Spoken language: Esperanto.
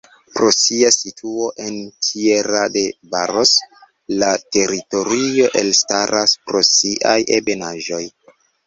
Pro sia situo en Tierra de Barros la teritorio elstaras pro siaj ebenaĵoj.